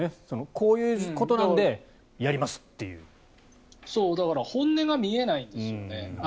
こういうことなのでやりますというだから本音が見えないんですよね。